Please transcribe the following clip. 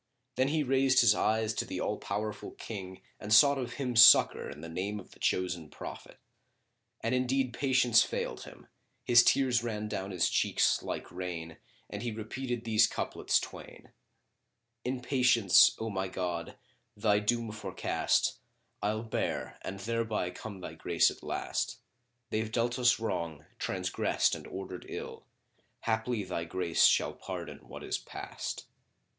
Then he raised his eyes to the All powerful King and sought of Him succour in the name of the Chosen Prophet. And indeed patience failed him; his tears ran down his cheeks, like rain, and he repeated these couplets twain, "In patience, O my God, Thy doom forecast * I'll bear, an thereby come Thy grace at last: They've dealt us wrong, transgressed and ordered ill; * Haply Thy Grace shall pardon what is past."